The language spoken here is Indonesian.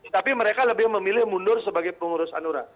tapi mereka lebih memilih mundur sebagai pengurus hanura